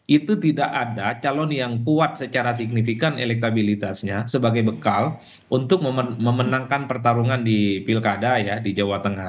itu tidak ada calon yang kuat secara signifikan elektabilitasnya sebagai bekal untuk memenangkan pertarungan di pilkada ya di jawa tengah